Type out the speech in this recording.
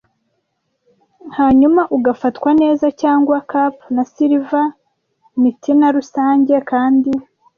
hanyuma ugafatwa neza - cyangwa Cap'n Silver, mutineer rusange kandi